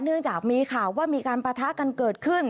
เนื่องจากมีข่าวว่ามีการปะทะกันเกิดขึ้น